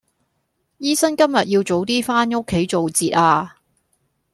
醫生今日要早啲返屋企做節呀